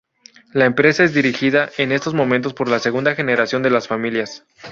La empresa es dirigida en estos momentos por la segunda generación de las familias.